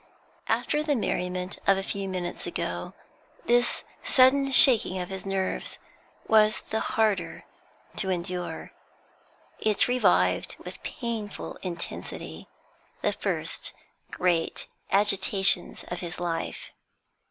After the merriment of a few minutes ago, this sudden shaking of his nerves was the harder to endure. It revived with painful intensity the first great agitations of his life.